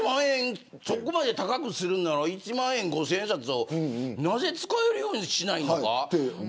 そこまで高くするなら１万円５０００円札をなぜ使えるようにしないのか。